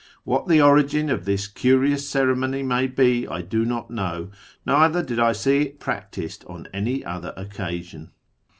What the origin of this curious ceremony may be I do not know, neither did I see it practised on any other occasion.